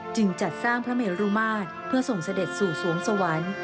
จัดสร้างพระเมรุมาตรเพื่อส่งเสด็จสู่สวงสวรรค์